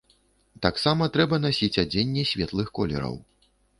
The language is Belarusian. Таксама трэба насіць адзенне светлых колераў.